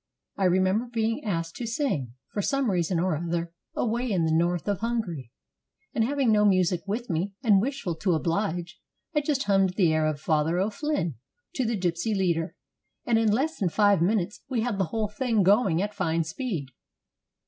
I remember being asked to sing — for some reason or other — away in the north of Hungary, and having no music with me, and wishful to oblige, I just hummed the air of "Father O'Flynn" to the gypsy leader, and in less than five minutes we had the whole thing going at fine speed.